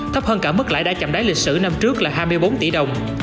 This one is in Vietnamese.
thấp hơn cả mức lãi đã chậm đáy lịch sử năm trước là hai mươi bốn tỷ đồng